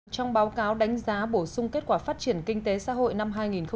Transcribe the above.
trong báo cáo đánh giá bổ sung kết quả phát triển kinh tế xã hội năm hai nghìn một mươi tám